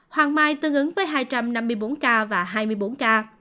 hoàng mai tương ứng với hai trăm năm mươi bốn ca và hai mươi bốn ca